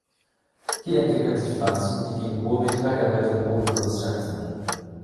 Hier entwickeln sich Pflanzen, die gegen hohe Metallgehalte im Boden resistent sind.